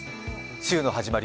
週の始まり